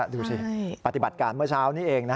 ดูสิปฏิบัติการเมื่อเช้านี้เองนะ